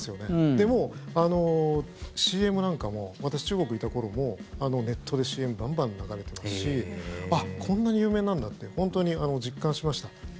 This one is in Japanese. でも、ＣＭなんかも私、中国いた頃もネットでＣＭばんばん流れてますしこんなに有名なんだって本当に実感しました。